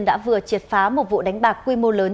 đã vừa triệt phá một vụ đánh bạc quy mô lớn